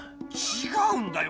違うんだよ。